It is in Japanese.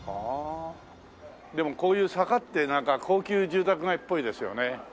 でもこういう坂ってなんか高級住宅街っぽいですよね。